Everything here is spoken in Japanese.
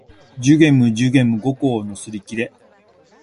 寿限無寿限無五劫のすりきれ